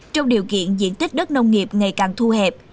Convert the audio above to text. trong điều kiện diện tích đất nông nghiệp ngày càng thu hẹp